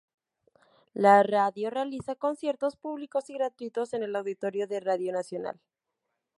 La radio realiza conciertos públicos y gratuitos en el Auditorio de Radio Nacional.